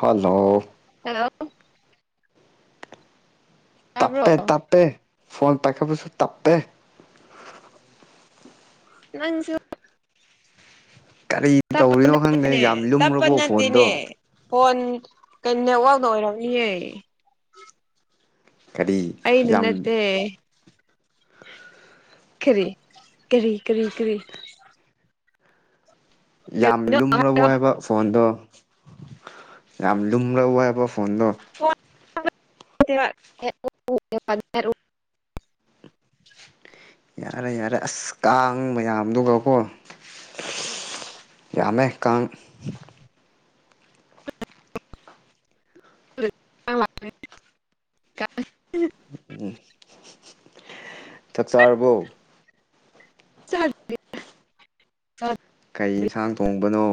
hello hello ꯇꯥꯕ꯭ꯔꯣ ꯇꯄꯦ ꯇꯄꯦ ꯐꯣꯟ ꯄꯥꯏꯈ ꯄꯁꯨ ꯇꯞꯦ ꯅꯪꯁꯨ ꯀꯔꯤ ꯇꯧꯔꯤꯅꯣ ꯈꯪꯗꯦ ꯇꯄꯅꯠꯇꯦꯅꯦ ꯌꯥꯝ ꯂꯨꯝꯔꯕꯣ ꯇꯞꯅꯟꯠꯇꯦꯅꯦ ꯐꯣꯟꯗꯣ ꯐꯣꯟ ꯀ ꯅꯦꯠꯋꯥꯛꯗ ꯑꯣꯏꯔꯝꯃꯤꯌꯦ ꯀꯔꯤ ꯌꯥꯝ ꯅꯠꯇꯦ ꯈꯔꯤꯔꯤꯔꯤꯔꯤ ꯌꯥꯝ ꯂꯨꯝꯕ ꯍꯥꯏꯔꯣ ꯍꯥꯏꯕ ꯐꯣꯟꯗꯣ ꯌꯥꯝ ꯂꯨꯝ꯭ꯔꯕ ꯍꯥꯏꯕ ꯍꯗ ꯎ [unintelligible] [inaudible] ꯌꯥꯔꯦ ꯌꯥꯔꯦ ꯑꯁ ꯀꯥꯡ ꯃꯌꯥꯝꯗꯨꯒꯀꯣ ꯌꯥꯝꯃꯦꯀ ꯀ [unintelligible] ꯎꯝ ꯆꯥꯛ ꯆꯥꯔꯕꯣ ꯆꯠ ꯀꯩ ꯌꯦꯟꯁꯥꯡ ꯊꯣꯡꯕꯅꯣ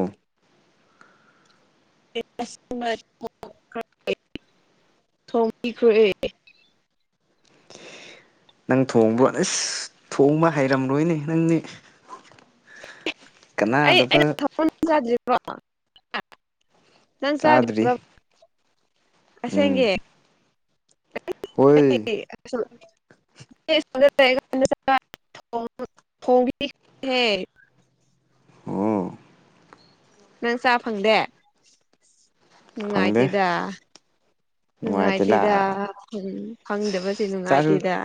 [inaudible] ꯊꯃ꯭ꯔ ꯅꯪ ꯊꯣꯡꯕ꯭ꯔꯣ ꯑꯁ ꯊꯣꯡꯕ ꯍꯥꯏꯩꯔꯝꯂꯣꯏꯅꯦ ꯅꯪꯅꯦ ꯑꯩ ꯑꯩꯅ ꯊ ꯆꯗ꯭ꯔꯤꯀꯣ ꯅꯪ ꯆꯥꯗ ꯆꯥꯗ꯭ꯔꯤ ꯎꯝ ꯑꯁꯦꯡꯒꯤ [inaudible] [inaudible] ꯍꯣꯏ ꯍꯒ ꯍꯦ ꯎꯝ ꯅꯪ ꯆꯥ ꯐꯪꯗꯦ ꯐꯪꯗꯦ ꯅꯨꯡꯉꯥꯏꯇꯦꯗ ꯅꯨꯡꯉꯥꯏꯇꯦꯗ ꯎ ꯐꯪꯗꯕꯕꯁꯤ ꯆꯥꯛꯁꯨ ꯅꯨꯡꯉꯥꯏꯇꯦꯗ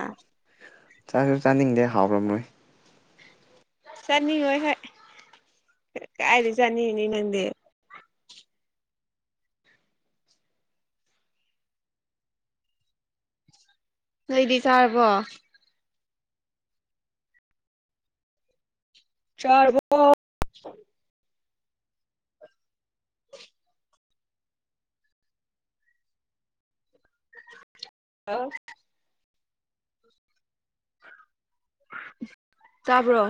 ꯆꯥꯁꯨ ꯆꯥꯅꯤꯡꯗꯦ ꯍꯥꯎꯔꯝꯂꯣꯏ ꯆꯠꯅꯤꯉꯣꯏ ꯍꯣꯏ ꯀꯥꯏꯗꯤ ꯆꯅꯤꯅꯤ ꯅꯪꯗꯦ ꯅꯣꯏꯗꯤ ꯆꯥꯔꯕꯣ ꯆꯥꯎꯥꯔꯕꯣ [inaudible] ꯍꯂ ꯆꯥꯕ꯭ꯔꯣ